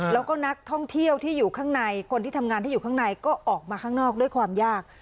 แล้วก็นักท่องเที่ยวที่อยู่ข้างในคนที่ทำงานที่อยู่ข้างในก็ออกมาข้างนอกด้วยความยาก